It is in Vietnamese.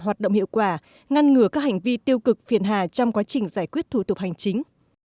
hoạt động hiệu quả ngăn ngừa các hành vi tiêu cực phiền hà trong quá trình giải quyết thủ tục hành chính